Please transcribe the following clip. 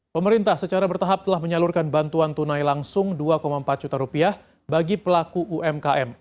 pemerintah secara bertahap telah menyalurkan bantuan tunai langsung rp dua empat juta rupiah bagi pelaku umkm